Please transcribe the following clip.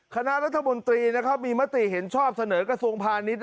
คณะลัตธบนตรีมีมติเห็นชอบเสนอกระทรงพาณิชน์